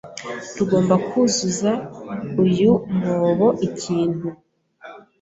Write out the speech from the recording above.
Tugomba kuzuza uyu mwobo ikintu.